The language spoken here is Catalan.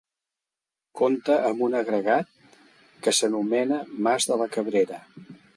Compta amb un agregat que s'anomena Mas de la Cabrera.